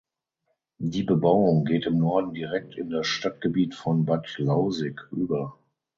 Die Bebauung geht im Norden direkt in das Stadtgebiet von Bad Lausick über.